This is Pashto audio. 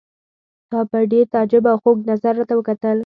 تا په ډېر تعجب او خوږ نظر راته وکتل.